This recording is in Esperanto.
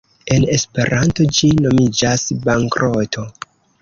“En Esperanto ĝi nomiĝas ‘bankroto’.